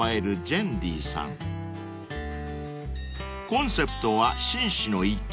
［コンセプトは］